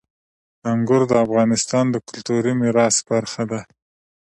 انګور د افغانستان د کلتوري میراث برخه ده.